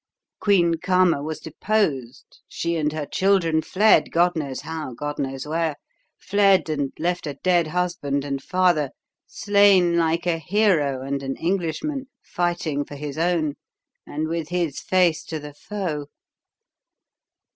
Queen Karma was deposed she and her children fled, God knows how, God knows where fled and left a dead husband and father, slain like a hero and an Englishman, fighting for his own, and with his face to the foe.